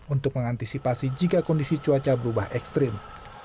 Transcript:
untuk mengantisipasi jika kondisi cuaca berubah ekstrim